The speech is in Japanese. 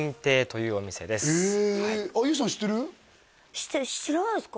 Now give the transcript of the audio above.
知ってる知らないですか？